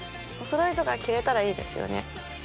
おそろいとか着れたらいいですよね。